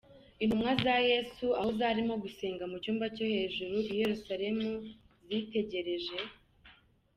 Intumwa za Yesu aho zarimo gusenga mu cyumba cyo hejuru i Yerusalemu zitegereje.